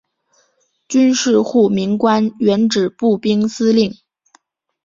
军事护民官原指步兵司令。